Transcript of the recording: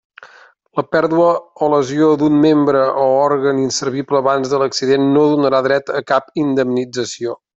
La pèrdua o lesió d'un membre o òrgan inservible abans de l'accident no donarà dret a cap indemnització.